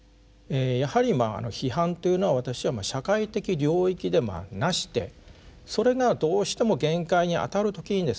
やはり批判というのは私は社会的領域でなしてそれがどうしても限界にあたる時にですね